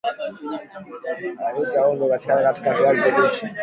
Utahitaji ungo cha kukatia viazi lishe